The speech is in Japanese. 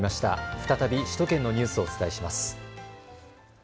再び首都圏のニュースをお伝えします。